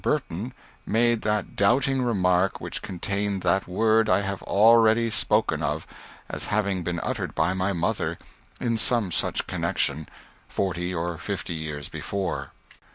Burton made that doubting remark which contained that word I have already spoken of as having been uttered by my mother, in some such connection, forty or fifty years before.